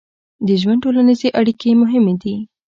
د ژوند ټولنیزې اړیکې مهمې دي.